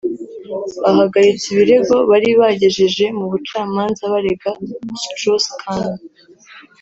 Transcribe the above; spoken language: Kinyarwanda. bahagaritse ibirego bari bagejeje mu bucamanza barega Strauss-Kahn